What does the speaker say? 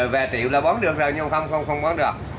về tiệu là bán được rồi nhưng không bán được